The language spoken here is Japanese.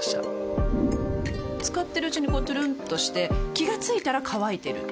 使ってるうちにこうトゥルンとして気が付いたら乾いてる